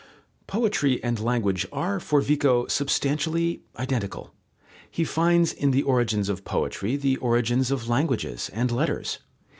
Poetry and language are for Vico substantially identical. He finds in the origins of poetry the origins of languages and letters.